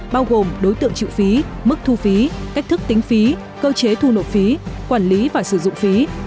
bao gồm đối tượng chịu phí mức thu phí cách thức tính phí cơ chế thu nộp phí quản lý và sử dụng phí